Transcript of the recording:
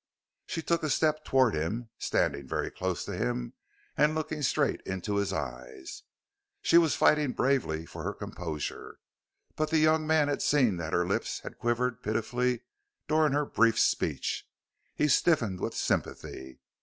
She took a step toward him, standing very close to him and looking straight into his eyes. She was fighting bravely for her composure, but the young man had seen that her lips had quivered pitifully during her brief speech. He stiffened with sympathy.